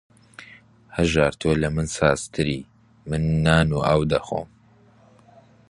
هەژار تۆ لە من سازتری، من نان و ئاو دەخۆم